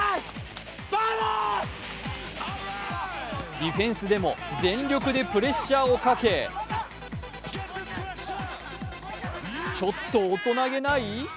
ディフェンスでも全力でプレッシャーをかけちょっと大人げない？